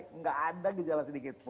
tidak ada gejala sedikit